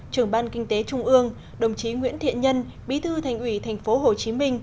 trưởng ban kinh tế trung ương đồng chí nguyễn thiện nhân bí thư thành ủy tp hcm